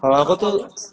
kalau aku tuh